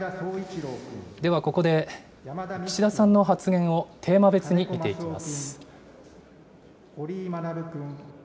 ではここで、岸田さんの発言をテーマ別に見ていきます。